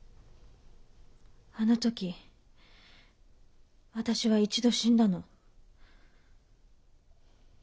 あの時私は一度死んだの。